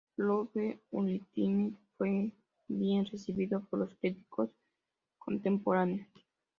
Love Unlimited fue bien recibido por los críticos contemporáneos.